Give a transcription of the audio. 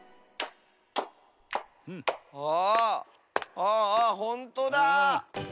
ああほんとだ。